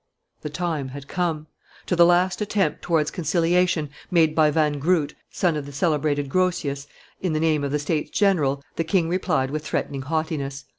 The time had come; to the last attempt towards conciliation, made by Van Groot, son of the celebrated Grotius, in the name of the States General, the king replied with threatening haughtiness.